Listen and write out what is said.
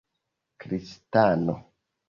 kristano